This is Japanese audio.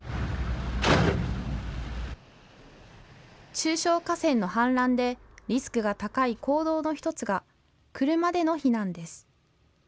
中小河川の氾濫でリスクが高い行動の１つが車での避難です。